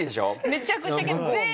めちゃくちゃ煙い。